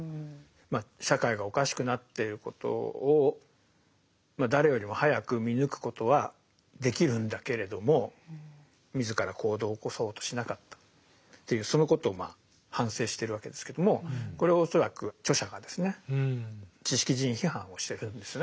まあ社会がおかしくなってることを誰よりも早く見抜くことはできるんだけれども自ら行動を起こそうとしなかったっていうそのことをまあ反省してるわけですけどもこれは恐らく著者がですね知識人批判をしてるんですよね